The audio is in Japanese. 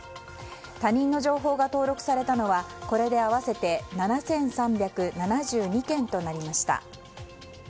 他人の情報が登録されたのはこれで合わせて７３７２件となりました。